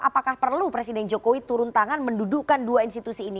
apakah perlu presiden jokowi turun tangan mendudukkan dua institusi ini